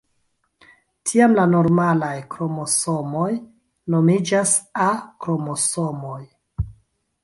Tiam la normalaj kromosomoj nomiĝas A-kromosomoj.